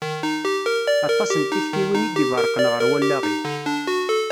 Aṭas n tiktiwin i d-iberrqen ɣer wallaɣ-iw.